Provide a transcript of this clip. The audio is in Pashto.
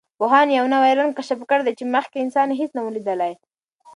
پوهانو یوه نوی رنګ کشف کړی دی چې مخکې انسان هېڅ لیدلی نه و.